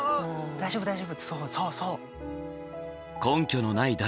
「大丈夫大丈夫」ってそうそうそう。